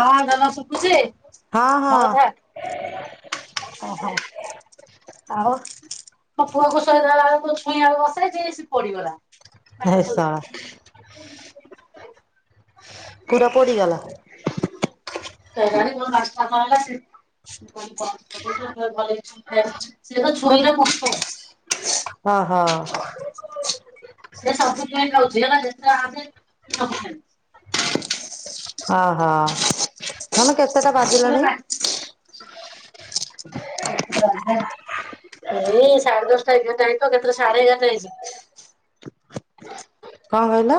ହଁ ଧନ ଶୁଭୁଚି? ହଁ ହଁ। ଓ ହଁ। ଆଉ, ମୋ ପୁଅକୁ ସୋଇଦେଲା ବେଳକୁ ଛୁଇଁ ଆଳୁ ବସେଇଚି ସିଏ ପୋଡିଗଲା। ଏ ଶଳା। [unintelligible] ପୁରା ପୋଡ଼ିଗଲା? [unintelligible] [unintelligible] ହଁ ହଁ। ସେ ସବୁଦିନ୍ ନଉଚି ହେଲା। ଯେତେବେଳେ ଆମେ ସେ ସବୁ ଖାଇବ। ଅ ହ। ଧନ କେତେଟା ବାଜିଲାଣି? କେତେଟା ବାଜିଲାଣି? ଏଇ ସାଢେ ଦଶଟା ଏଗାର ଟା ହେଇଥିବ କେତେଟା ସାଢେ ଏଗାରଟା ହେଇଚି। କଣ କହିଲ?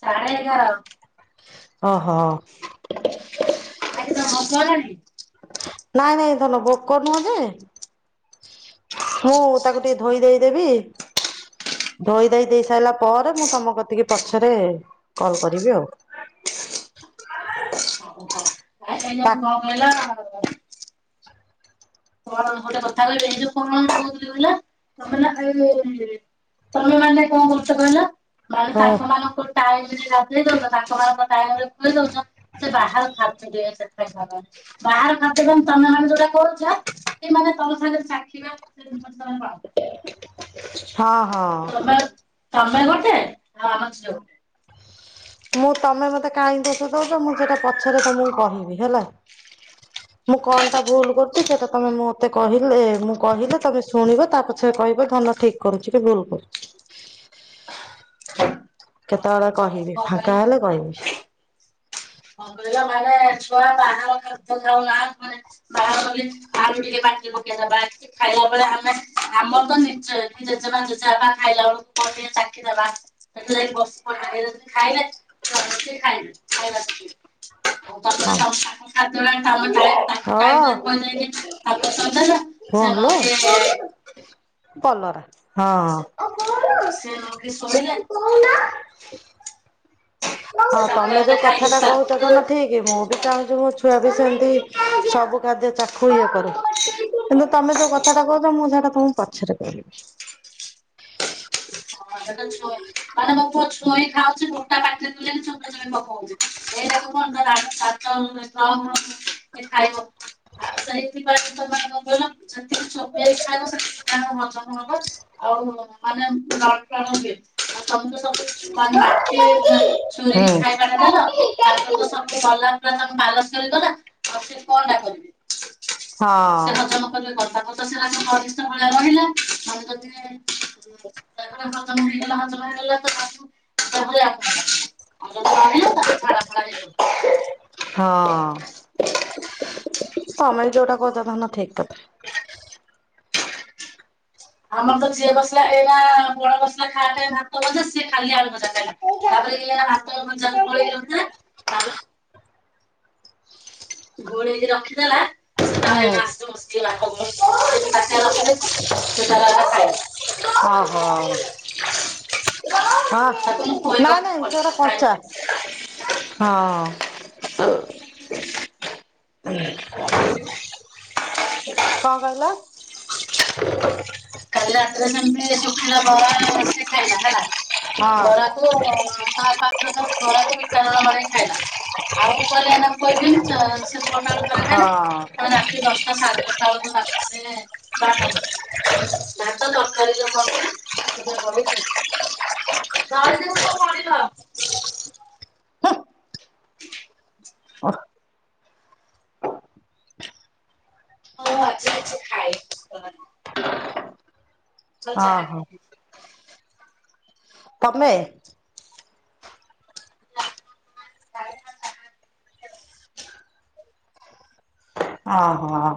ସାଢେ ଏଗାର। ଓ ହଁ। [unintelligible] ନାଇଁ ନାଇଁ ଧନ ବୁକ୍ କରିନୁହଁନ୍ତି। ମୁଁ ତାକୁ ଟିକେ ଧୋଇ ଧେଇ ଦେବି ଧୋଇ ଦେଇ ଦେଇ ସାରିଲା ପରେ ମୁଁ ତମ କତିକି ପଛରେ କଲ କରିବି ଆଉ। ଓହୋ, ଖାଇ ସାରିଲେ ତା କଲ କରିବ ଆଉ। କଣ ଗୋଟେ କଥା କହିବି ଏଇ ଯୋଉ କଣ କହୁଥିଲି କହିଲ ଏ [unintelligible] ତମେ ମାନେ କଣ କରୁଚ କହିଲ? ମାନେ ହଁ ତାଙ୍କ ମାନଙ୍କ ଟାଇମରେ ଗାଧେଇ ଦୋଉଛ ତାଙ୍କ ମାନଙ୍କ ଟାଇମରେ ଖୋଇ ଦୋଉଛ। ସେ ବାହାର ଖାଉଛି ଟିକେ ସେଥିପାଇଁ ବାହାର ଖାଦ୍ୟ ତମେ ମାନେ ଯୋଉଟା କହୁଛ ଟିକେ ମାନେ ତମ ସାଙ୍ଗରେ ଚାଖିବା ସେ ହଁ, ହଁ। ତମେ ତମେ ଗୋଟେ ଆଉ ଆମ ଝିଅ ଗୋଟେ। ମୁଁ ତମେ ମତେ କାଇଁ ଦୋଷ ଦୋଉଛ ମୁଁ ସେଇଟା ପଛରେ ତମକୁ କହିବି ହେଲା। [unintelligible] ମୁଁ କଣ ଟା ଭୁଲ କରୁ ସେଇଟା ତମେ ମତେ କହିଲେ ମୁଁ କହିଲେ ତମେ ଶୁଣିବ ତାପଛରେ କହିବ ଧନ ଠିକ କରୁଛି କି ଭୁଲ କରୁଛି। [inaudible] କେତେବେଳେ କହିବି ଫାଙ୍କା ଗୋଟେ। ହେଲେ କହିବି। କଣ କହିଲ ମାନେ ଛୁଆ ବାହାର ଖାଦ୍ୟ ଖାଉନାହାନ୍ତି ମାନେ ବାହାରକୁ ଗଲେ ଯାହାବି ଟିକେ ପାଟିରେ ପକେଇଦବା ଖାଇଲା ବେଳେ ଆମେ ଆମର ତ ନିଜ ଜେଜେମା, ଜେଜେବାପା ଖାଇଲା ବେଳକୁ କଣ ଟିକେ ଚାଖିଦବା। ସେଠି ଯାଇକି ବସିପଡ଼ିବେ ଖାଇବେ ଯଦି ଖାଇବେ। ଶିଖିବେ। ଆଉ ତାପରେ ହଁ, ତାଙ୍କୁ ଖାଦ୍ୟ ଆମେ ତାଙ୍କୁ ହଁ। ଟାଇମରେ କହିଦେଇକି ତାକୁ ହଁ, ଶୋଇଦେଲେ ସେ ହଲୋ ନହେଲେ କଲରା। ସେ ହଁ। -ସେ - ନକି ଶୋଇଲା? ହଁ ସେ ତାଙ୍କ ତମେ ଯୋଉ ଟାଇମରେ କଥା ଖାଇକି ଟା କହୁଛ ତାକୁ ଧନ ଠିକ୍? ଇଏ ମୁଁ ବି ଚାହୁଁଛି ମୋ ଛୁଆ ବି ସେମିତି ସବୁ ଖାଦ୍ୟ ଚାଖୁ ଇଏ କରୁ। କିନ୍ତୁ ତମେ ଯୋଉ କଥାଟା କହୁଛ ମୁଁ ସେଟା ତମକୁ ପଛରେ କହିବି। ହଁ, ସେଇଟା ଛୁଆ ମାନେ ପୁଅ ଛୁଇଁ ଖାଉଛି ଗୋଟା ପାଟିରେ ପୁରେଇକି ଯୋବେଇ [unintelligible] ସେ ଖାଇବ। ଆଉ ସେଇଥିପାଇଁ ଏ ମାନଙ୍କ ଉପରେ ଯେତିକି ଚୋବେଇ କି ଖାଇବ ସେତିକି ତାର ହଜମ ଆଉ ମାନେ ଣ [unintelligible] ସବୁ ତ ସବୁ ବାଟି ସୋରିକ ଖାଇବାଟା ଦେଲ ତାଙ୍କର ହୁଁ ତ ସ ଗଲା ପୁରା ତାଙ୍କ ବାଲାନସ ସରିଗଲା ଆଉ ସେ କଣ ହଁ। ଟା କରିବେ ସେ ହଜ କଥା ବାର୍ତ୍ତା ଘନିଷ୍ଠ ଭଳି ରହିଲା ମନେ ହ ହଲା [unintelligible] ଆଉ ଯଦି ରହିଲା ତାକୁ ଝାଡ଼ା ଫାଡ଼ା ହେଇଯାଉଛି। ହଁ ତମେ ଯୋଉଟା କହୁଚ ଧନ ଠିକ। ଆମର ତ ଯିଏ ବସିଲା ଏଇ ବଡ଼ ମସଲା ଖାଇ ଭାତ ଭଜା ସିଏ ଖାଲି ଆଳୁ ଭଜା ଖାଇଲା। ହୁଁ। ତାପରେ ଇଏ ଭାତ ଭଜା ଓହୋ ପଳେଇ ଅନ ଗୋଳେଇକି ରଖିଦେଲା। ସେ ତାର ଏଇନା ଆସି ବସି ଗଲାଣି, ତାର ଖାଇବା ରଖିଦେଇଚି ସେ ତାର ଏଇନା ଖାଇବ। ଓହୋ, ହ ତାକୁ ମୁଁ ଖୋଇବାକୁ ନାଇଁ, ପଡିବନି ଖାଇବ ନିଜେ ନାଇଁ, ସେଇଟା କଞ୍ଚା। ହଁ। ଉଁ। କଣ [unintelligible] ଦେଖ। କଣ କହିଲ? କଲି ରାତିରେ ସେମିତି ଶୁଖିଲା ବରା ଆଣି ମିଶିକି ଖାଇଲା ହେଲା। ହଁ ବରା କୁ ଆଉ କଣ? ତା ପାଖକୁ ବରାକୁ ବିଟ ଲୁଣ ମଡ଼େଇ ଖାଇଲା। ଆମୁକୁ କହିଲା ଏଇନା ଖୁଆଇଦିଏଁ। ଛଅଟା ବେଳକୁ ବରା ଖାଇଲା ହଁ ତାପରେ ରାତି ଦଶଟା ସାଢ଼େ ଦଶଟା ବେଳକୁ ତାପରେ ଭାତ [unintelligible] ଭାତ ତରକାରୀ ଯୋଉ କରିଚି? [unintelligible] [unintelligible] ମୁଁ ଆଜିି କିଛି ଖାଇନି [unintelligible] ହଉ ଓହୋ ଛାଡେ ତମେ? ଅ ହଁ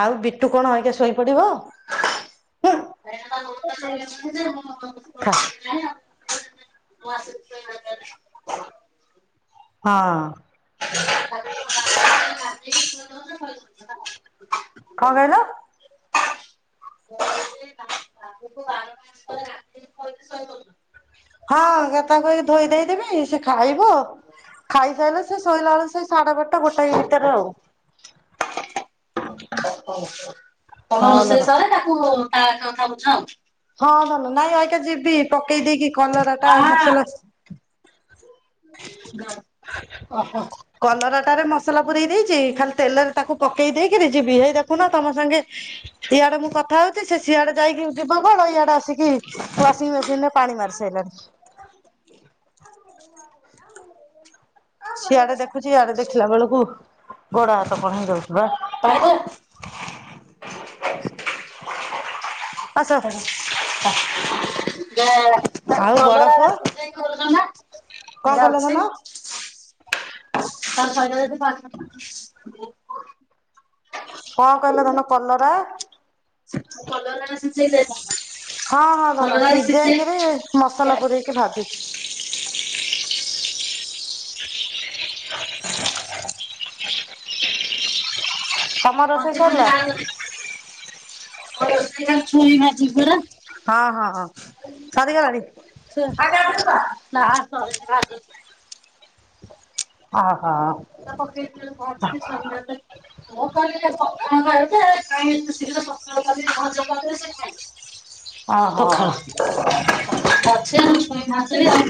ଆଉ ବିଟୁ କଣ ଅଇକା ଶୋଇପଡିବ? [unintelligible] ଥା। ମୁଁ ଆସେ [unintelligible] ହଁ। ତାକୁ କଣ [unintelligible] କଣ କହିଲ? [unintelligible] ଶହେ [unintelligible] ହଁ ଗଥା ଧୋଇକି ଥୋଇ ଦେଇକି ଯିବି? ସେ ଖାଇବ। ଖାଇସାରିଲେ ସେ ଶୋଇଲା ବେଳକୁ ସେଇ ସାଢେ ଗୋଟେ ଗୋଟାକ ଭିତରେ ଆଉ। ତମର ହଲୋର ରୋଷେଇ ସଇଲେ ତାକୁ ତା କଥା ବୁଝା ହଉଚି। ହଁ ଧନୁ ନାଇଁ ରହିଥା ଯିବି ପକେଇ ଦେଇକି କଲରା ଟା ମସଲା ଓହୋ କଲରାଟାରେ ମସଲା ପୁରେଇ ଦେଇଛି ଖାଲି ତେଲରେ ତାକୁ ପକେଇ ଦେଇକିରି ଯିବି ହେଇ ଦେଖୁନା ତମ ସାଙ୍ଗେ ଇଆଡେ ମୁଁ କଥା ହଉଚି ସେ ସିଆଡେ ଯାଇକି ଯୋଉ ବଗବଗୁଲିଆ ଟା ଆସିକି ୱାସିଂ ମେସିନ୍ ରେ ପାଣି ମାରି ସାଇଲାଣି। [inaudible] ସିଆଡେ ଦେଖୁଚି ଇଆଡେ ଦେଖିଲା ବେଳକୁ ଗୋଡ ହାତ କଣ ହେଇଁ ଯାଉଚି ବା। ପାଇଲ? ଆସ ଛାଡ ଆ ଯା ଆ ଆ ଆଉ ବଡ କଲରାରା ପୁଅ ସିଝେଇ କରିଦଉନ? କଣ ସିଝା କହିଲ ଅଛି। ଧନ? [unintelligible] କଣ କହିଲ ଧନ କଲରା? [unintelligible] କଲରା ଭିଜେଇ ଦେଇ [unintelligible] ହଁ ହଁ ଭଲ ସିଝେଇକିରି ମସଲା ସିଝେଇ ପୁରେଇକି ଭାଜୁଛି। [inaudible] ତମ ରୋଷେଇ ସରିଲା? ହଁ ରୋଷେଇ ଛୁଇଁ ଭାଜିବି ପରା। ହଁ ହଁ ହଁ ସରି ଗଲାଣି ଆଜି ଆମେ ଆଉ ଥରେ କରିଦବା? ନାହା ସହେଡିନି ଭାଯୁଚି ଅହୋ। ପାିଲିଲା ପକେଇଚି ବୋଲି କ ଛାଡି ନେବେ। ମୁଁ କହିଲି ସଖାଳୁ ଖାଇବୁ ଯେ କାଇଁ ଏତେ ଶୀଘ୍ର ସକାଳୁ କରି ଭଯା କରିଲେ ସେ ଖାଇିବେ। ଓହୋ ପଖାଳ ଭଜା ଅଛି ଗଛୁଇଁ ଭାଜିଦେବି ଆଉ।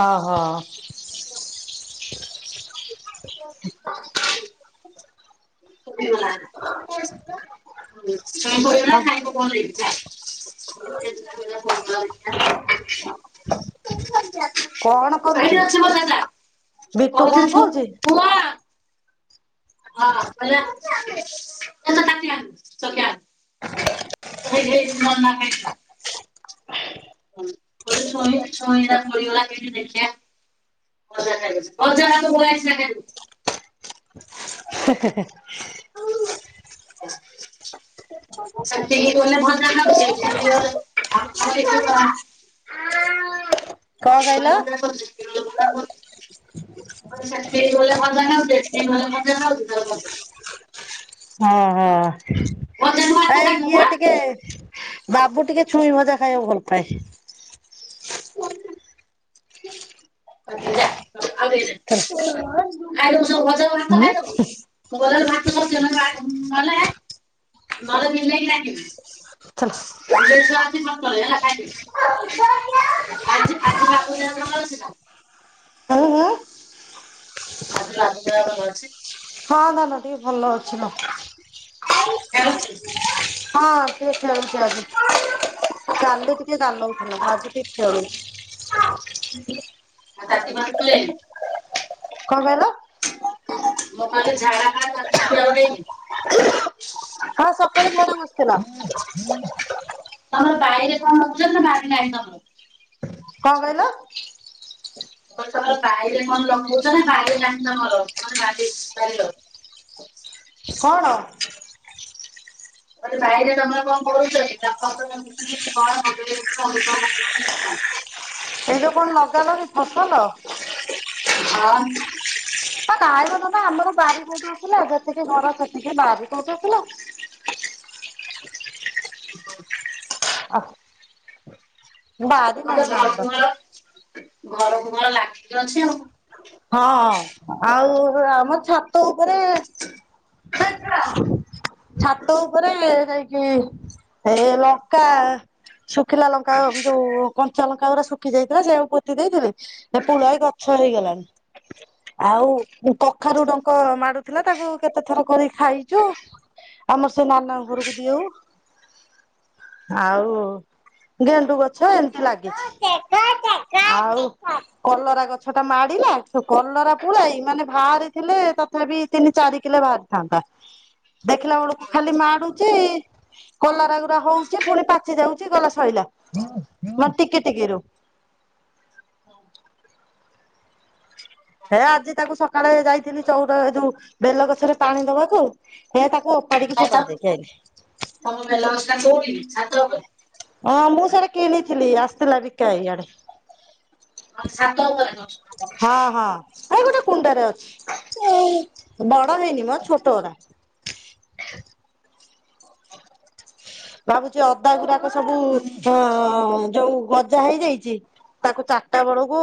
ଓ ହୋ। [unintelligible] ସେ ମିଳି ଗଲା କୁଆଡେ ଯିବ ଛୁଇଁ ବଏଇ। ହୋଉ। ପୁଅ କଣ ନେଇଚି [unintelligible] ତୁ ମରିଯା। କଣ କରୁଛି? ସେଇଠି ଅଛି ବୋଧେ ଦାଦା ବିଟୁ କଣ କୋଉଠି ଥିବ କହୁଛି? ପୁଅ ହଁ କହିଲା ଵଇଚି ହେଇ ନନା ଖାଇ ଜିବା। ହୁଁ କୋଉଛେ ଛଇଁ ଯାଙ୍କ ପଡିଗଲା ମୁଁ କହିଲି ଦେଖିଆ। ଭଜା ଖାଇବନି ଭଜା ହାତ ଧୋଇଆଇ ସିନା ଖାଇବୁ। ହେ ହେ ହୋଉ। ସେତିକି ଗଲେ ଭଲ ଲାଗଚି ଏଠି କି ଗଲେ କଣ ଦିଇ କହିଲ? ଜଣ ଯାଙ୍କ ଭଜା କଲେ ଦି ଜଣ ଭଜା କଲେ। ମୁଁ କହିଲି ସେଠୀ ଗଲେ ମଜା ନାଗୁଚି ଏଠି କି ଗଲେ ମଜା ନାଗୁଚି ଯୋଉ ଆକୁ ସେଇଆ। ଓଁହୋ ଆଇଏ ଟିକେ ବାବୁ ଟିକେ ଛୁଇଁ ଭଜା ଖାଇବାକୁ ଭଲ ପାଏ। ଓକେ ଯାଆ ଆଉ ଟିକେ ଦେ ଚାଲ ଖାଇଦୋବୁ ସବୁ ଭଜା କୁ ଭାତ ହୁଁ ଖାଇଦୋବୁ। ମୁଁ ଗଲା ବେଳକୁ ଭାତ ସବୁ କେନା ମାଡ ଗଲେ ଗଲେ ମଲି ଦେଇକି ଡ଼ାକିବି। ଚାଲ। ବିଲେଇ ଛୁଆ ଆସି ମ ପଳେ ହେଲା ଖାଇଦେ। ଆଜି ଆଜି ହୁଁ ବାବୁ ଦେହ ଭଲ ଅଛି ନା? ହୁଁ ଆଜି ବାବୁ ଦେହ ଭଲ ଅଛି। ହଁ ଧନ ଟିକେ ଭଲ ଅଛି ହଁ। ଖେଳୁଛି। ହଁ ସିକଏ ଖେଳୁଚି ଆଜି କାଲି ଟିକେ ଗାଲୋଉଥିଲା ଆଜି ଟିକଏ ଖେଳୁଛି। [unintelligible] ଆଉ ରାତି ବାରୁ ଟାରେ କଣ କହିଲ? ମୁଁ କହିଲି ଝାଡା ଫଡ଼ା କରିନାହାନ୍ତି ଆଉରି। ହଁ ସକାଳେ ମୋ ମାମୁଁ ଆସିଥିଲା। ତମର ବାଇରେ କଣ କରିଚ ନା ବାରି ନାହିଁ ତମର? କଣ କହିଲ? ମୁଁ କହିଲି ତମର ବାଇରେ କଣ ଲଗୋଉଚ ନା ବାରି ନାହିଁ ତମର ହଁ ଲାଗିଚି ବାଇଗଣ। ହ କଣ? ସାଇରେ ତମର କଣ କରୁଚନ୍ତି ବାପା [unintelligible] କଣ [unintelligible] କିଛି ନାହିଁ ଏବେ କଣ ଲଗାଲଣି ଫସଲ? ହଁ ନା କାହିଁ କ ନା ନା ଆମର ବାରି କୋଉଠିଥିଲା ଯେତିକି ଘର ସେତିକି ବାରି କୋଉଠିଥିଲା ହ ଅ ତେ ବା ଘର ଆମର ମୁହଳ ଘର ମହଳ ଲାଗି ଅଛି ଆଉ ହଁ ଆଉ ଆମ ଛାତ ଉପରେ ସେ [inaudible] ଛାତ ଉପରେ ହେଇକି ଏ ଲଙ୍କା ଶୁଖିଲା ଲଙ୍କା ଯୋଉ କଞ୍ଚା ଲଙ୍କା ଗୁରା ଶୁଖି ଯାଇଥିଲା ସେୟାକୁ ପୋତି ଦେଇଥିଲି ସେପୁଳାଏ ଗଛ ହେଇଗଲାଣି ଆଉ କଖାରୁ ଡଙ୍କ ମାଡୁ ଥିଲା ତାକୁ କେତେ ଥର କରିକି ଖାଇଛୁ ଆମର ସେ ନାନା ଘରକୁ ଦିଅଉ [inaudible] ଆଉ ଗେଣ୍ଡୁ ଗଛ ଏମିତି ଲାଗିଛି ଆଉ କଲରା ଗଛ ଟା ମାଡିଲା ଯୋଉ କଲରା ପୋଳାଇ ମାନେ ବାହାରିଥିଲେ ତଥାପି ତିନି ଚାରି କିଲୋ ବାହାରିଥାନ୍ତା। ଦେଖିଲା ବେଳକୁ ଖାଲି ମାଡୁଛି କଲାରାଗୁରା ହଉଛି ପୁଣି ପାଚି ଯାଉଛି ଗଲା ଶଇଲା ମାନେ ଟିକେ ଟିକେ ରୁ ହେ ଆଜି ତାକୁ ସକାଳେ ଯାଇଥିଲି ଚଉର ଏ ଯୋଉ ବେଲଗଛରେ ପାଣି ଦବାକୁୁ ହେ ତାକୁ ଓପାଡିକି ଭାଇ ଫୋପାଡି ତମ ଦେଇକି ଆଇଲି ତମ ବେଲବସ୍ ଟା କୋଉଠି ଛାତ ଉପରେ? ହଁ ମୁଁ ସେଆଟା କିଣିଥିଲି ଆସିଥିଲା ବିକା ଇଆଡେ ହଁ ସାତ ଉପରେ କ ଆରେ ଗୋଟେ କୁଣ୍ଡରେ ଅଛି ବଡ ହେଇନି ମୋ ଛୋଟ ଗୁରା ଓ ହୋ ଭାବୁଛି ଅଦା ଗୁଡାକ ସବୁ ଅ ଯୋଉ ଗଜା ହେଇଯାଇଛି ତାକୁ ଚାରିଟା ବେଳକୁ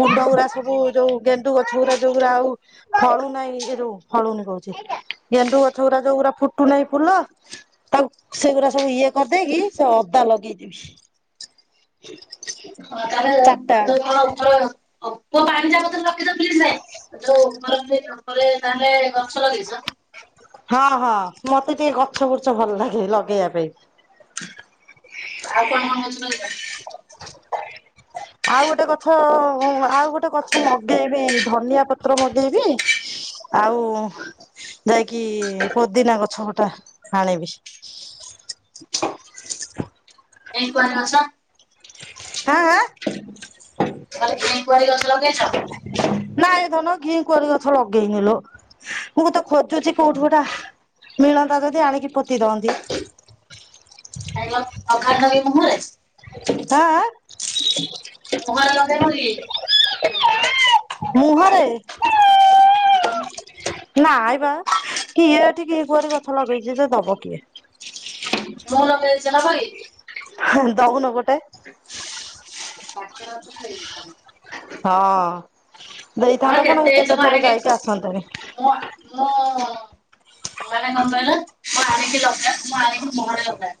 କୁଣ୍ଡ ଗୁୁରା ସବୁ ଯୋଉ ଗେଣ୍ଡୁ ଗଛ ଗୁରା ଯୋଉଗୁୁରା ଆଉ ଫଳୁ ନାହିଁ ଏ ଯୋଉ ଫଳୁନି କହୁଛି ଗେଣ୍ଡୁ ଗଛ ଗୁଡା ଯୋଉଗୁରା ଫୁଟୁନାହିଁ ଫୁଲ ତାକୁ ସେଗୁରା ସବୁ ଇଏ କରିଦେଇକି ସେ ଅଦା ଲଗେଇଦବି ହଁ ତାହେଲେ ଚାରିଟା [unintelligible] ବେଳେ ପୋ ପାଣି ଟା ବରେ ରଖିଦ ଫ୍ଲିଜ ନାଇଁ ଯୋଉର ତାହେଲେ ଗଛ ଲଗେଇଛ [unintelligible] ହଁ ହଁ ମତେ ଟିକେ ଗଛ ବୁର୍ଛ ଭଲ ଲାଗେ ଲଗେଇବା ପାଇଁ ଆଉ କଣ କଣ କଉଛି କହ ଆଉ ଗୋଟେ ଗଛ ଉ ଆଉ ଗୋଟେ ଗଛ ମୁ ମଗେଇବି ଧନିଆ ପ ତ୍ର ମଗେଇବି ଆଉ ଯାଇକି ପୋଦିନା ଗଛ ଗଟା ଆଣିବି ଏଇ କାର ଅଛ ହଁ ହ ତାହେଲେ ଘି କୁଆର ଗଛ ଲଗେଇଛ ନାଇଁ ଧନ ଘି କୁଆର ଗଛ ଲଗେଇନିଲୁ ମୁଁ କୁତ ଖୋଜୁଛି କୋଉଠି କୋଉଟା ମିଳନ୍ତା ଯଦି ଆଣିକି ପୋତି ଦଅନ୍ତି। ଆ ମ [unintelligible] ଅଘା ନବୀ ମୋହରେ ହଁ ଆ ମୁହରେ ଲଗେଇ ବୋଲି ମୁହଁରେ ହଁ ବା ନା ଆବା କିଏ ଏଠିକି କିଏ କୁଆରି ଗଛ ଲଗେଇଛି ତ ଦବ କିଏ ମୁଁ [unintelligible] ଦଉନୁ ଗୋଟେ। [inaudible] ହଁ ଆଉ ଦେଇଥାନ୍ତ କଣ ମୁଁ ଏଜ୍ କେତେ ଥର ଯାଇକି ଆଣିକି ଆସନ୍ତୁଣି। ମୁଁ ମୁଁ ମାନେ କଂ କହିଲ। ମୁଁ ଆଣିକି ଲଗା ମୁଁ ଆଣିକି ମୁଁହରେ ଲଗା।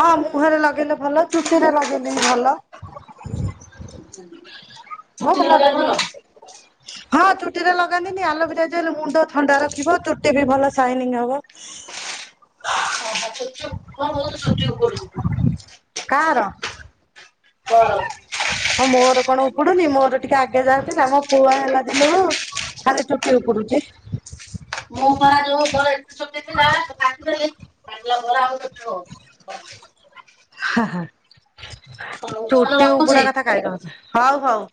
ହଁ ମୁଁହରେ ଲଗେଇଲେ ଭଲ ଚୁଟିରେ ଲଗେଇଲେ ବି ଭଲ। [inaudible] [inaudible] ହଁ ଚୁଟିକି ଲଗେଇଲେ ଭଲ ଚୁଟିରେ ଲଗାନ୍ତିନି ଆଲୋଭେରା ଜେଲେ ମୁଣ୍ଡ ଥଣ୍ତା ର ରଖିବ ତୁଟି ବି ଭଲ ସାଇନିଙ୍ଗ ହବ। [unintelligible] ବହୁତ ଚୁଟି ଉପୁଡ଼ୁଚି। କାହାର? ଆଉ ମୋର କଣ ଉପୁଡୁନି ମୋର ଟିକେ ଆଗେ ଯାହା ଥିଲା ମୋ ପୁଆ ହେଲା ଦିନରୁ ଖଲି ଚୁଟି ଉପୂଡୁଛି। ମୁଁ ପରା ଯୋଉ [unintelligible] [unintelligible] ଆଉ ଚୁଟି ହଉନି। ହ ହ ହଉ ତାହେଲେ ଚୁଟି ଉପଡା ରଖୁଛି। କଥା ଖାଇକ ହଉ ହଉ।